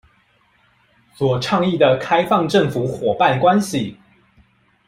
所倡議的開放政府夥伴關係